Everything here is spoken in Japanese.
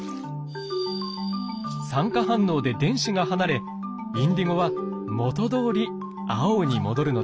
酸化反応で電子が離れインディゴは元どおり青に戻るのです。